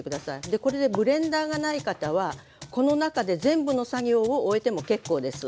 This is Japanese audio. でこれでブレンダーがない方はこの中で全部の作業を終えても結構です。